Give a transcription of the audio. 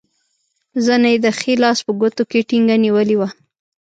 زنه یې د ښي لاس په ګوتو کې ټینګه نیولې وه.